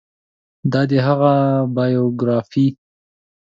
دا دی هغه بایوګرافي